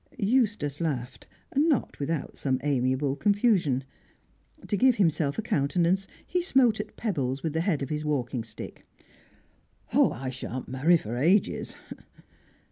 Eustace laughed, not without some amiable confusion. To give himself a countenance, he smote at pebbles with the head of his walking stick. "Oh, I shan't marry for ages!"